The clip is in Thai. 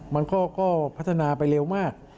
มันก็พัฒนาไปเร็วมาก